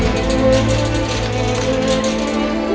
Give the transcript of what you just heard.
ya jangan tunggu